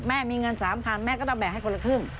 แม่มีเงินสามพันแม่ก็ต้องแบ่งให้คนละครึ่ง